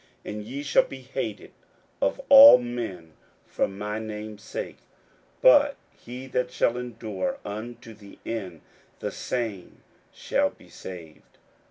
41:013:013 And ye shall be hated of all men for my name's sake: but he that shall endure unto the end, the same shall be saved.